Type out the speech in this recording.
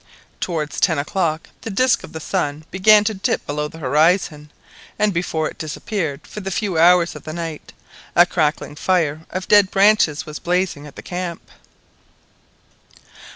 Towards ten o'clock the disc of the sun began to dip below the horizon, and before it disappeared for the few hours of the night a crackling fire of dead branches was blazing at the camp.